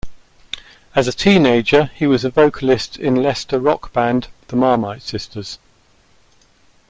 As a teenager, he was a vocalist in Leicester rock band the Marmite Sisters.